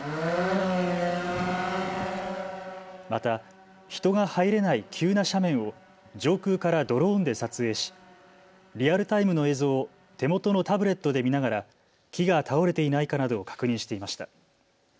また人が入れない急な斜面を上空からドローンで撮影しリアルタイムの映像を手元のタブレットで見ながら木が倒れていないかなどを確認していました。